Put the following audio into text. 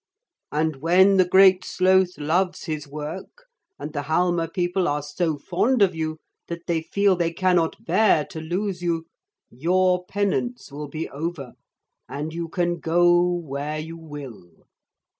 And when the Great Sloth loves his work and the Halma people are so fond of you that they feel they cannot bear to lose you, your penance will be over and you can go where you will.'